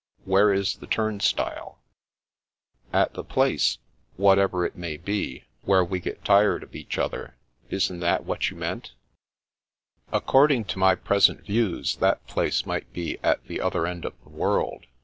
"Where is the turnstile?" "At the place — ^whatever it may be— where we get tired of each other. Isn't that what you meant ?" "According to my present views, that place might be at the other end of the world.